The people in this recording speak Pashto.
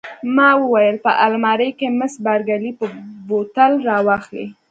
ما وویل: په المارۍ کې، مس بارکلي به بوتل را واخلي.